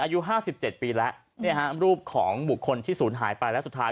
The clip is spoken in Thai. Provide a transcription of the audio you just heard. อายุ๕๗ปีแล้วเนี่ยฮะรูปของบุคคลที่ศูนย์หายไปแล้วสุดท้าย